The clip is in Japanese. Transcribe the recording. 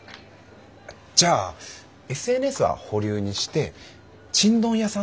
じゃあＳＮＳは保留にしてちんどん屋さんとかどうですか？